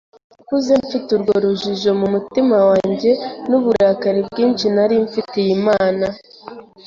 Nakuze mfite urwo rujijo mu mutima wanjye, n’uburakari bwinshi nari mfitiye Imana.